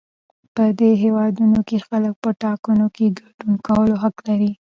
په دې هېوادونو کې خلک په ټاکنو کې ګډون کولو حق لري.